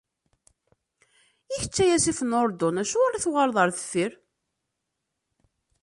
I kečč, ay asif n Uṛdun, acuɣer i tuɣaleḍ ɣer deffir?